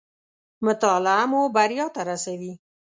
مطالعه مو بريا ته راسوي